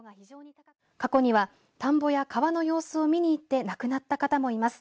過去には田んぼや川の様子を見に行って亡くなった方もいます。